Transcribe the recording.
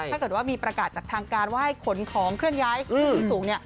ถ้าเกิดว่ามีประกาศจากทางการว่าให้ขนของเคลื่อนย้ายขึ้นที่สูงเนี่ย